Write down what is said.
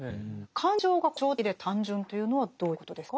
「感情が誇張的で単純」というのはどういうことですか？